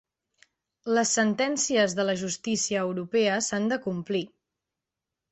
Les sentències de la justícia europea s'han de complir.